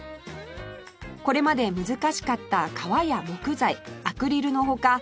これまで難しかった革や木材アクリルの他